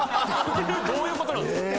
どういうことなんですか？